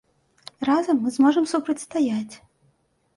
Разам мы зможам супрацьстаяць.